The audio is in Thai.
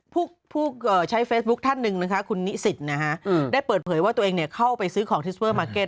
ผู้ใช้เฟซบุ๊คท่านหนึ่งนะคะคุณนิสิตนะฮะได้เปิดเผยว่าตัวเองเข้าไปซื้อของทิสเปอร์มาร์เก็ต